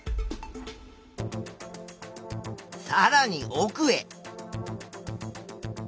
さらに奥へ。